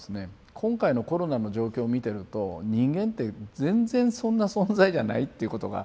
今回のコロナの状況を見てると人間って全然そんな存在じゃないっていうことがはっきりしたわけですよ。